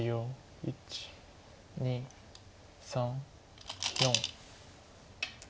１２３４。